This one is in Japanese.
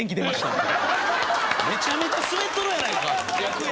めちゃめちゃスベっとるやないか！